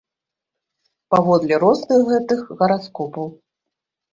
Паводле розных гэтых гараскопаў.